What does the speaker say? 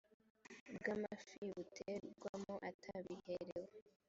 bw amafi buterwamo atabiherewe